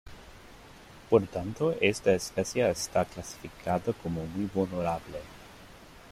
Por tanto, esta especie está clasificada como muy vulnerable.